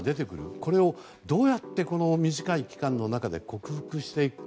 これをどうやって短い期間の中で克服していくか。